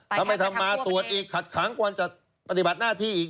ถ้าไม่ทำมาตรวจอีกขัดขังกว่าจะปฏิบัติหน้าที่อีก